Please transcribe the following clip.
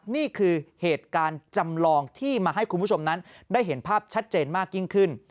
นี่คือเหตุการณ์จำลองที่มาให้คุณผู้ชมนั้นได้เห็นภาพชัดเจนมากยิ่งขึ้น